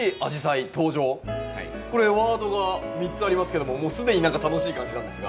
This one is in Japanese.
これワードが３つありますけどももう既に楽しい感じなんですが。